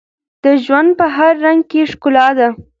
د ژوند په هر رنګ کې ښکلا ده.